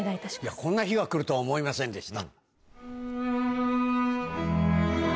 こんな日が来るとは思いませんでした。